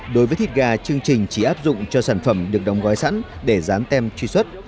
đối với thịt gà chương trình chỉ áp dụng cho sản phẩm được đóng gói sẵn để dán tem truy xuất